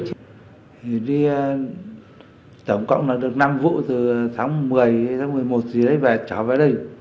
thì đi tổng cộng là được năm vụ từ tháng một mươi hay tháng một mươi một thì lấy về trả về đây